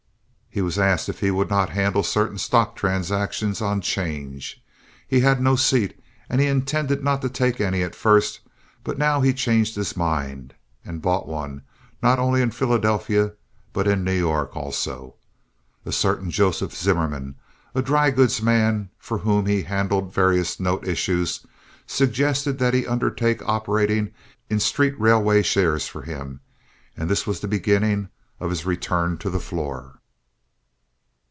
He was asked if he would not handle certain stock transactions on 'change. He had no seat, and he intended not to take any at first; but now he changed his mind, and bought one, not only in Philadelphia, but in New York also. A certain Joseph Zimmerman, a dry goods man for whom he had handled various note issues, suggested that he undertake operating in street railway shares for him, and this was the beginning of his return to the floor.